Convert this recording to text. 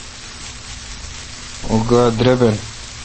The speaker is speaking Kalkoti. اں گاےدربن۔